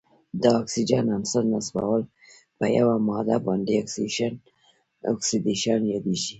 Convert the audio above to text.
د اکسیجن عنصر نصبول په یوه ماده باندې اکسیدیشن یادیږي.